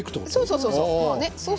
そうそう。